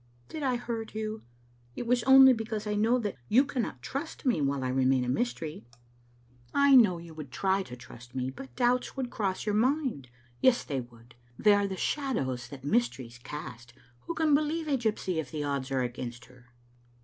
"" Did I hurt you? It was only because I know that you cannot trust me while I remain a mystery. I know Digitized by VjOOQ IC 174 JSbc Xfttle Aintoter. you would try to trust me, but doubts would cross your mind. Yes, they would; they are the shadows that mysteries cast. Who can believe a gypsy if the odds are against her?"